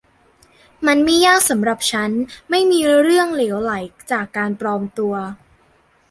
มันไม่ยากสำหรับฉันไม่มีเรื่องเหลวไหลจากการปลอมตัว